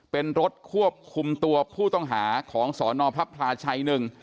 เป็นรถควบคุมตัวผู้ต้องหาของสนพระพลาชัยหนึ่ง